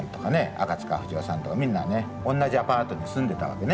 赤塚不二夫さんとかみんなね同じアパートに住んでたわけね。